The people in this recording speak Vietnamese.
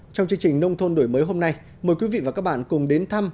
trong chương trình nông thôn đổi mới hôm nay mời quý vị và các bạn cùng đến thăm